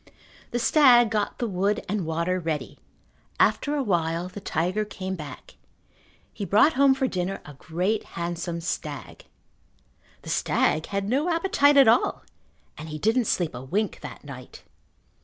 The stag got the wood and water ready. After a while the tiger came back. He brought home for dinner a great handsome stag. The stag had no appetite at all and he didn't sleep a wink that night.